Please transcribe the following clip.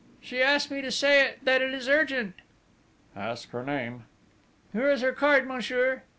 "She asked me to say that it is urgent." "Ask her name." "Here is her card, monsieur."